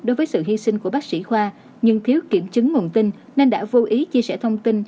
đối với sự hy sinh của bác sĩ khoa nhưng thiếu kiểm chứng nguồn tin nên đã vô ý chia sẻ thông tin